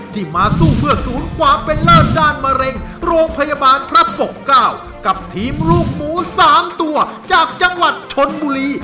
ที่มาสู้เพื่อศูนย์ความเป็นเลิศด้านมะเร็งโรงพยาบาลพระปกเก้ากับทีมลูกหมู๓ตัวจากจังหวัดชนบุรี